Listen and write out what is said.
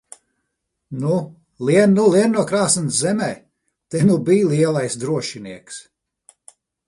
Nu, lien nu lien no krāsns zemē! Te nu bij lielais drošinieks!